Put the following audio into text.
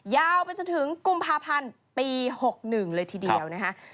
ยาวไปจนถึงกุมภาพันธ์ปี๖๑เลยทีเดียวนะคะ